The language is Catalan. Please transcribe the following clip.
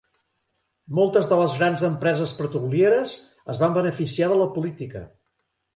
Moltes de les grans empreses petrolieres es van beneficiar de la política.